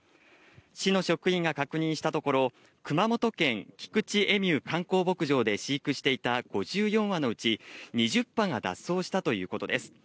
市の職員が確認したところ、熊本県菊池エミュー観光牧場で飼育していた５４羽のうち２０羽が脱走したということです。